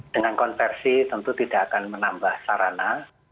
dengan konversi tentu tidak akan menambah sarana